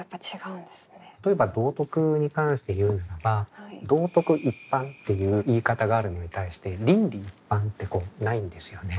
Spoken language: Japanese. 例えば道徳に関して言うならば道徳一般っていう言い方があるのに対して倫理一般ってないんですよね。